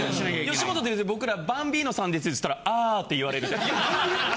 吉本で言うと僕らバンビーノさんですよっつったらあって言われるいや何で？